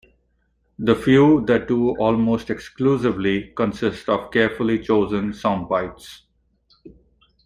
The few that do almost exclusively consist of carefully chosen soundbites.